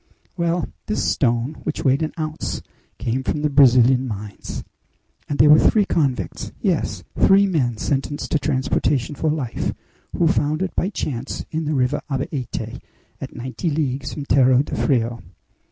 Well, this stone, which weighed an ounce, came from the Brazilian mines! And they were three convicts yes! three men sentenced to transportation for life who found it by chance in the River Abaete, at ninety leagues from Terro de Frio."